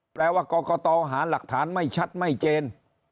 แปลว่ากรกตหาหลักฐานไม่ชัดไม่เจน